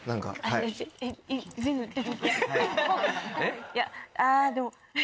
いやあぁでも。